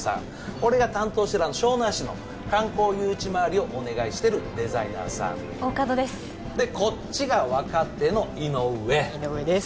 俺が担当してる湘南市の観光誘致まわりをお願いしてるデザイナーさん大加戸ですでこっちが若手の井上井上です